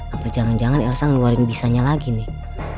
apa jangan jangan elsa ngeluarin bisanya lagi nih